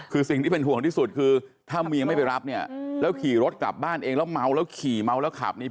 คือสิ่งที่เป็นห่วงที่สุดคือถ้าเมียไม่ไปรับเนี่ยแล้วขี่รถกลับบ้านเองแล้วเมาแล้วขี่เมาแล้วขับนี่